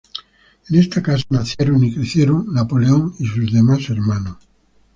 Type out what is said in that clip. En esta casa nacieron y crecieron Napoleón y sus demás hermanos.